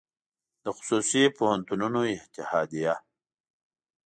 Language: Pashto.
د خصوصي پوهنتونونو اتحادیه